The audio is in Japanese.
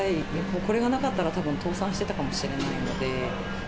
これがなかったらたぶん倒産してたかもしれないので。